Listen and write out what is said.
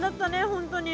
本当に。